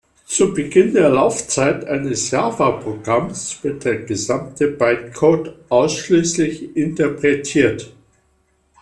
Zu Beginn der Laufzeit eines Java-Programms wird der gesamte Bytecode ausschließlich interpretiert.